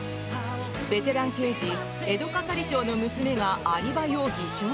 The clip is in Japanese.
ベテラン刑事、江戸係長の娘がアリバイを偽証？